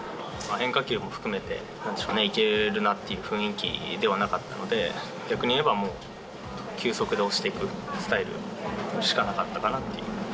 変化球も含めて、いけるなっていう雰囲気ではなかったので、逆にいえば、球速で押していくスタイルしかなかったかなっていう。